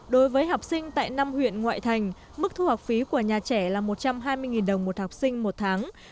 đối với học sinh tại năm huyện ngoại thành mức thu học phí của nhà trẻ là một trăm hai mươi đồng một học sinh một tháng